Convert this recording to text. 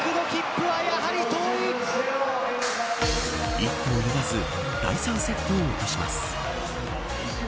一歩及ばず第３セットを落とします。